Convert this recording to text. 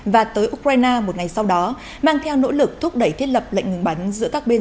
và tới ukraine một ngày sau đó mang theo nỗ lực thúc đẩy thiết lập lệnh ngừng bắn giữa các bên